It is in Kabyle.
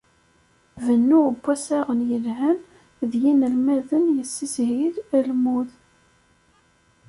Bennu n wassaɣen yelhan d yinelmaden yessishil almud.